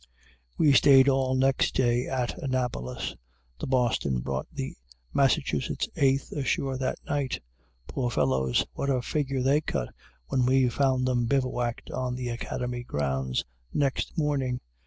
We stayed all next day at Annapolis. The "Boston" brought the Massachusetts Eighth ashore that night. Poor fellows! what a figure they cut, when we found them bivouacked on the Academy grounds next morning!